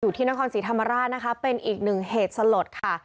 ที่นครศรีธรรมราชนะคะเป็นอีกหนึ่งเหตุสลดค่ะ